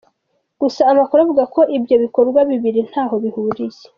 Gusa amakuru avuga ko ibyo bikorwa bibiri ntaho bihuriye.